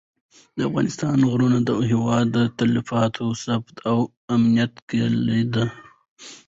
د افغانستان غرونه د هېواد د تلپاتې ثبات او امنیت کلیدي دي.